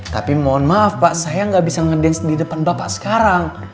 tapi mohon maaf pak saya gak bisa ngedance di depan bapak sekarang